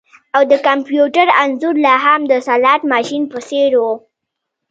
او د کمپیوټر انځور لاهم د سلاټ ماشین په څیر و